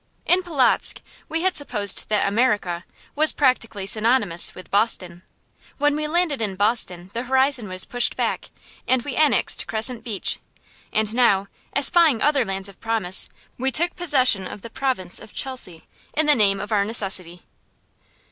In Polotzk we had supposed that "America" was practically synonymous with "Boston." When we landed in Boston, the horizon was pushed back, and we annexed Crescent Beach. And now, espying other lands of promise, we took possession of the province of Chelsea, in the name of our necessity.